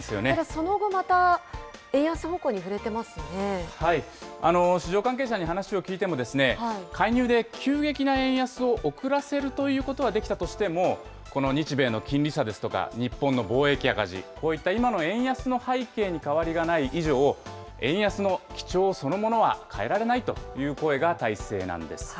その後、また円安方向に振れ市場関係者に話を聞いても、介入で急激な円安を遅らせるということはできたとしても、この日米の金利差ですとか、日本の貿易赤字、こういった今の円安の背景に変わりがない以上、円安の基調そのものは変えられないという声が大勢なんです。